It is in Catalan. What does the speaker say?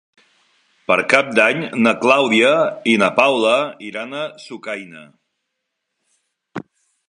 Per Cap d'Any na Clàudia i na Paula iran a Sucaina.